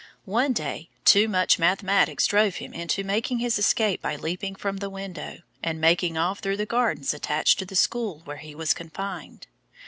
One day, too much mathematics drove him into making his escape by leaping from the window, and making off through the gardens attached to the school where he was confined.